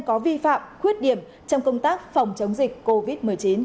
có vi phạm khuyết điểm trong công tác phòng chống dịch covid một mươi chín